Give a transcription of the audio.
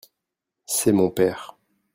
C'est mon père.